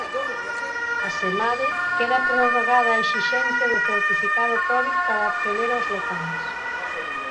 Asemade, queda prorrogada a exixencia do certificado Covid para acceder aos locais.